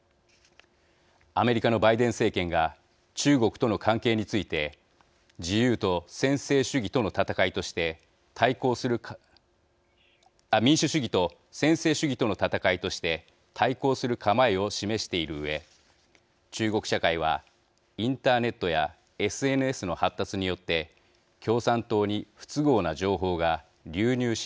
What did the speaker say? アメリカのバイデン政権が中国との関係について民主主義と専制主義との戦いとして対抗する構えを示しているうえ中国社会はインターネットやＳＮＳの発達によって共産党に不都合な情報が流入しやすくなっています。